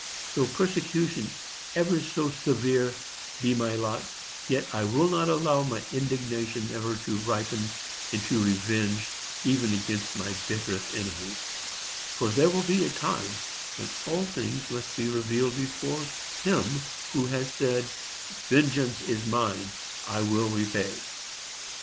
Though persecution ever so severe be my lot, yet I will not allow my indignation ever to ripen into revenge even against my bitterest enemies; for there will be a time when all things must be revealed before Him who has said "Vengeance is mine, I will repay."